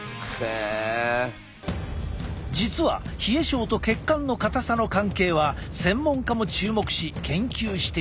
実は冷え症と血管の硬さの関係は専門家も注目し研究している。